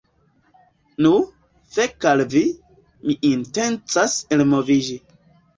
Nu, fek al vi, mi intencas elmoviĝi.